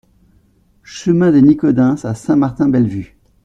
Chemin des Nicodeins à Saint-Martin-Bellevue